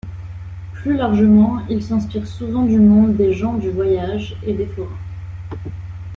Plus largement il s'inspire souvent du monde des gens du voyage et des forains.